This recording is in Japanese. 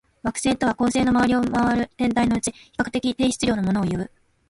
惑星とは、恒星の周りを回る天体のうち、比較的低質量のものをいう。